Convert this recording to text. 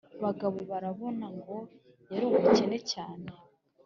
Bagabobarabona ngo yari umukene cyane